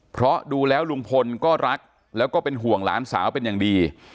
เพราะดูแล้วลุงพลก็รักแล้วก็เป็นห่วงหลานสาวเป็นอย่างดี